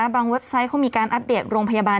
บางเว็บไซต์มีการอัพเดตรงพยาบาล